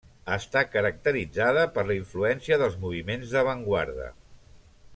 Està caracteritzada per la influència dels moviments d'avantguarda.